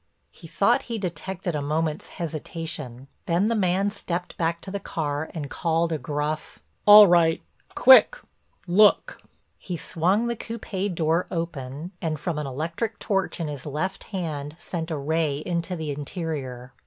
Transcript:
He thought he detected a moment's hesitation, then the man stepped back to the car and called a gruff: "All right—quick—look." He swung the coupé door open and from an electric torch in his left hand sent a ray into the interior.